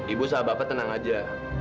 ibu sama bapak tenang aja